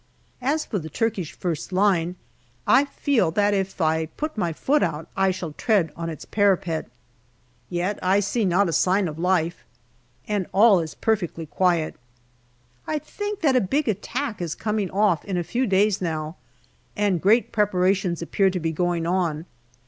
As for the Turkish first line, I feel that if I put my foot out I shall tread on its parapet. Yet I see not a sign of life. And all is perfectly quiet. I think that a big attack is coming off in a few days now, and great preparations appear to be going on.